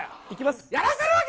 行きます。